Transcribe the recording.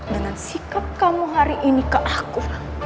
dengan sikap kamu hari ini ke aku